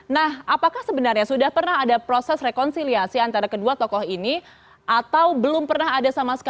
nah apakah sebenarnya sudah pernah ada proses rekonsiliasi antara kedua tokoh ini atau belum pernah ada sama sekali